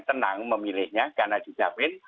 tenang memilihnya karena dicapain